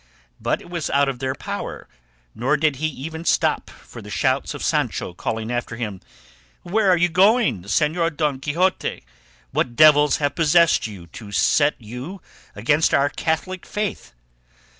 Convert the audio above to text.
But it was out of their power, nor did he even stop for the shouts of Sancho calling after him, "Where are you going, Señor Don Quixote? What devils have possessed you to set you on against our Catholic faith?